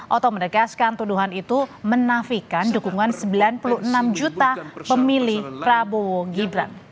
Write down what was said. oto menegaskan tuduhan itu menafikan dukungan sembilan puluh enam juta pemilih prabowo gibran